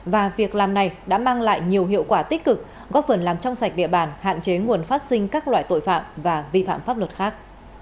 và việc làm này đã mang lại nhiều hiệu quả tích cực góp phần làm trong sạch địa bàn hạn chế nguồn phát sinh các loại tội phạm và vi phạm pháp luật khác